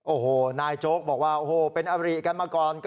โอ้โหนายโจ๊กบอกว่าโอ้โหเป็นอริกันมาก่อน